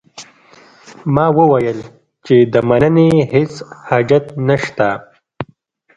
ما وویل چې د مننې هیڅ حاجت نه شته.